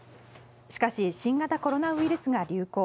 しかし新型コロナウイルスが流行。